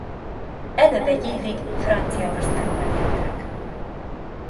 Előbb egy évig Franciaországban éltek.